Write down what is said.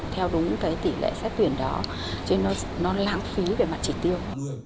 theo đúng tỷ lệ xét tuyển đó chứ nó lãng phí về mặt trị tiêu